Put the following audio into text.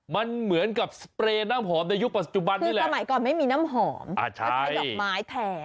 มันเหมือนกับสเปรย์น้ำหอมในยุคปัจจุบันนี่แหละสมัยก่อนไม่มีน้ำหอมไม่ใช่ดอกไม้แทน